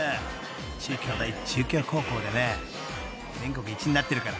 ［中京大中京高校でね全国１位になってるから］